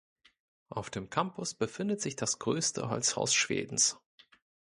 Auf dem Campus befindet sich das größte Holzhaus Schwedens.